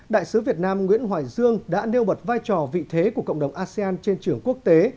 đại sứ việt nam nguyễn hoài dương đã nêu bật vai trò vị thế của cộng đồng asean trên trường quốc tế